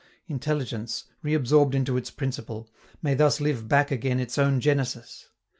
Intelligence, reabsorbed into its principle, may thus live back again its own genesis.